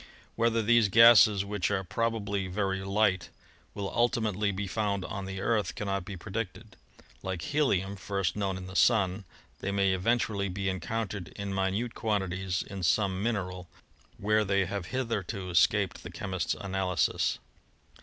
Whether these gases, which are probably very light, will ultimately be found on the Earth cannot be predicted. Like helium, first known in the Sun, they may eventually be encoun tered in minute quantities in some mineral where they have hitherto escaped the chemist's analysis.